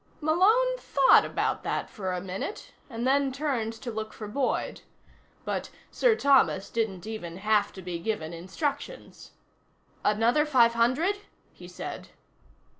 Malone thought about that for a minute, and then turned to look for Boyd. But Sir Thomas didn't even have to be given instructions. "Another five hundred?" he said.